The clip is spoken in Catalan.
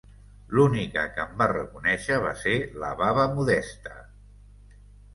L'única que em va reconèixer va ser la baba Modesta.